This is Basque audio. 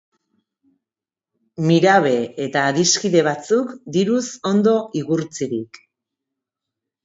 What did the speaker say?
Mirabe eta adiskide batzuk diruz ondo igurtzirik.